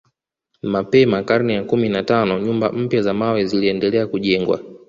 Mapema karne ya kumi na tano nyumba mpya za mawe ziliendelea kujengwa